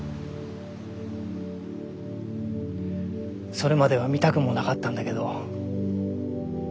それまでは見たくもなかったんだけど作ったんだ。